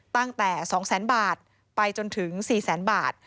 ตั้งแต่๒แสนบาทไปจนถึง๔แสนบาท